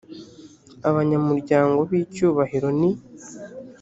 abanyamuryango b icyubahiro ni